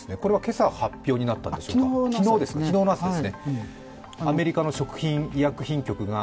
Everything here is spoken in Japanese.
これは今朝発表になったんですか、昨日の朝ですね。